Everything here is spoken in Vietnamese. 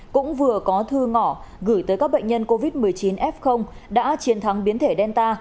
cũng vừa có thư ngỏ gửi tới các bệnh nhân covid một mươi chín f đã chiến thắng biến thể delta